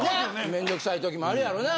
めんどくさい時もあるやろな。